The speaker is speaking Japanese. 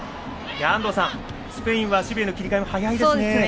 安藤さん、スペインは守備への切り替えも早いですね。